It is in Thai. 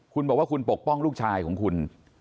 คุณบอกว่าคุณปกป้องลูกชายของคุณ